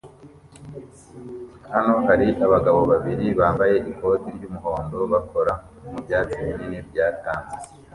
Hano hari abagabo babiri bambaye ikoti ry'umuhondo bakora mubyatsi binini byatanzwe